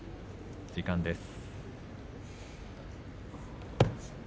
時間です。